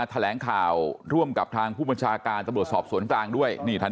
แถลงข่าวร่วมกับทางผู้บัญชาการตำรวจสอบสวนกลางด้วยนี่ท่าน